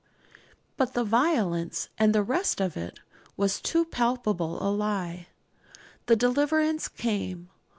But the 'violence,' and the rest of it, was too palpable a lie. The deliverance came.